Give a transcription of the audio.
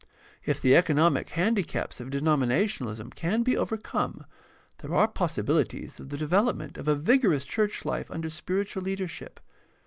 If the economic handi caps of denominationalism can be overcome, there are possi bilities of the development of a vigorous church life under spiritual leadership.